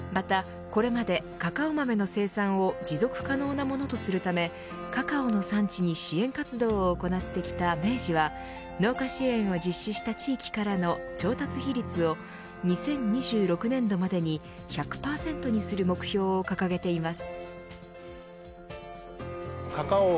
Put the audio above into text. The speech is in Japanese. また、これまでカカオ豆の生産を持続可能なものとするためカカオの産地に支援活動を行ってきた明治は農家支援を実施した地域からの調達比率を２０２６年度までに１００％にする目標を掲げています。